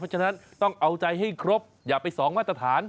ฉะนั้นต้องเอาใจให้ครบอย่าไปสองมาตรฐาน